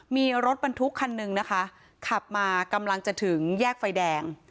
มีรถบรรทุกคันหนึ่งนะคะขับมากำลังจะถึงแยกไฟแดง